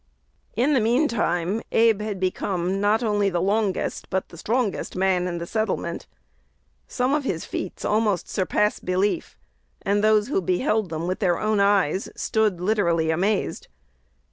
In the mean time Abe had become, not only the longest, but the strongest, man in the settlement. Some of his feats almost surpass belief, and those who beheld them with their own eyes stood literally amazed.